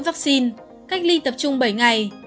vắc xin cách ly tập trung bảy ngày